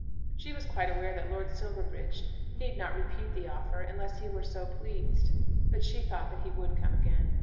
She was quite aware that Lord Silverbridge need not repeat the offer unless he were so pleased. But she thought that he would come again.